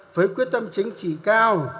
với quyết tâm chính trị cao